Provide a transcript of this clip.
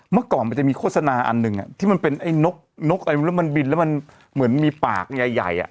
เมื่อก่อนมันจะมีโฆษณาอันหนึ่งที่มันเป็นไอ้นกอะไรแล้วมันบินแล้วมันเหมือนมีปากใหญ่